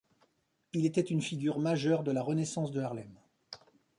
Il était une figure majeure de la Renaissance de Harlem.